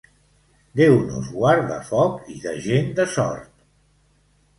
Déu nos guard de foc i de gent de Sort.